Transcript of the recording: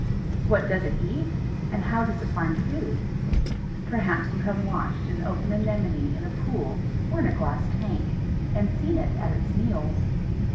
What does it eat, and how does it find food? Perhaps you have watched an open Anemone in a pool, or in a glass tank, and seen it at its meals.